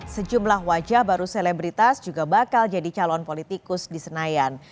sejumlah wajah baru selebritas juga bakal jadi calon politikus di senayan